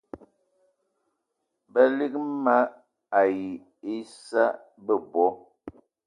Balig mal ai issa bebo